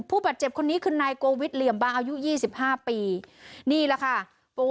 ผู้บาดเจ็บคนนี้คือนายโกวิทเหลี่ยมบางอายุยี่สิบห้าปีนี่แหละค่ะปู